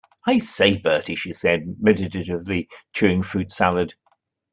"I say, Bertie," she said, meditatively chewing fruit salad.